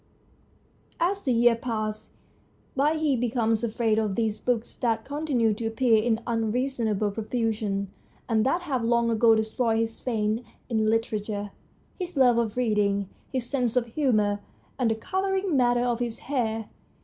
As the years pass by he becomes afraid of these books that continue to appear in unreasonable profusion, and that have long ago destroyed his faith in literature, his love of reading, his sense of humour, and the colouring matter of his hair.